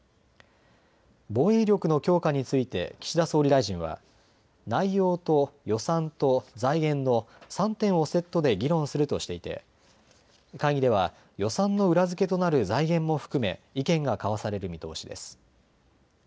防衛力の強化について岸田総理大臣は内容と予算と財源の３点をセットで議論するとしていて会議では予算の裏付けとなる財源も含め意見が交わされる見通しです。